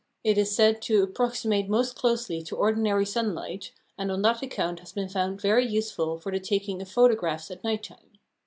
It is said to approximate most closely to ordinary sunlight, and on that account has been found very useful for the taking of photographs at night time.